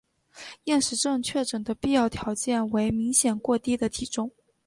厌食症确诊的必要条件为明显过低的体重。